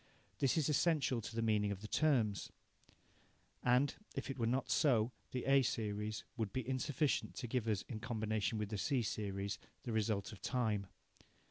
This is essential to the meaning of the terms. And, if it were not so, the A series would be insufficient to give us, in combination with the C series, the result of time.